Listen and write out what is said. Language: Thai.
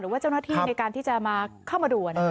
ว่าเจ้าหน้าที่ในการที่จะมาเข้ามาดู